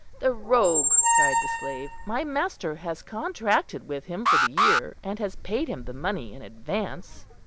"The rogue," cried the slave, "my master has contracted with him for the year, and has paid him the money in advance."